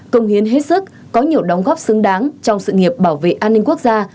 công hiến hết sức có nhiều đóng góp xứng đáng trong sự nghiệp bảo vệ an ninh quốc gia